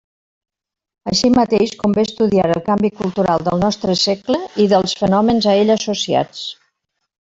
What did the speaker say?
Així mateix, convé estudiar el canvi cultural del nostre segle i dels fenòmens a ell associats.